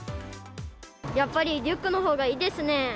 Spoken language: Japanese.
やっぱりリュックのほうがいいですね。